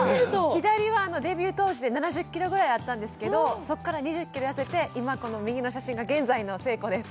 左はデビュー当時で７０ｋｇぐらいあったんですけどそこから２０ｋｇ痩せて今この右の写真が現在の誠子です